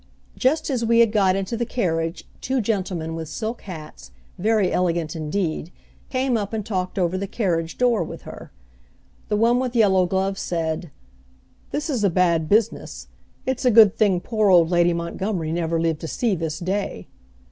Just as we had got into the carriage two gentlemen with silk hats, very elegant indeed, came up and talked over the carriage door with her. The one with yellow gloves said, "This is a bad business. It's a good thing poor old lady Montgomery never lived to see this day."